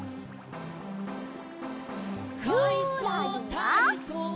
「かいそうたいそう」